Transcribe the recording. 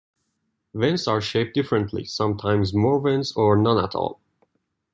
Vents are shaped differently, sometimes more vents or none at all.